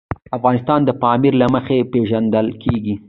افغانستان د پامیر له مخې پېژندل کېږي.